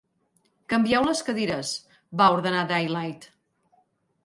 Canvieu les cadires, va ordenar Daylight.